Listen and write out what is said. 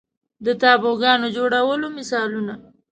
د تابوګانو جوړولو مثالونه